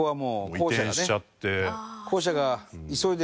移転しちゃって。